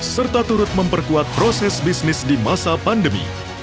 serta turut memperkuat proses bisnis di masa pandemi